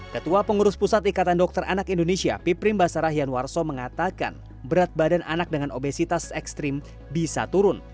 ketua pengurus pusat ikatan dokter anak indonesia piprim basarah yanwarso mengatakan berat badan anak dengan obesitas ekstrim bisa turun